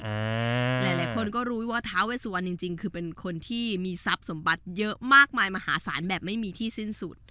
หลายคนก็รู้ว่าท้าเวสุวรรณจริงจริงคือเป็นคนที่มีทรัพย์สมบัติเยอะมากมายมหาศาลแบบไม่มีที่สิ้นสุด